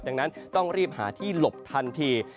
ดังนั้นต้องรีบหาที่หลบทันที